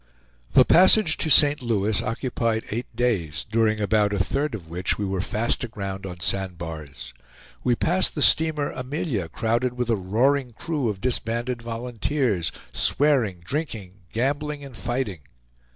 The passage to St. Louis occupied eight days, during about a third of which we were fast aground on sand bars. We passed the steamer Amelia crowded with a roaring crew of disbanded volunteers, swearing, drinking, gambling, and fighting.